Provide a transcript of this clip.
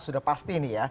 sudah pasti nih ya